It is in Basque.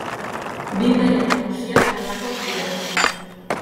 Bi maila nagusiak honakoak dira.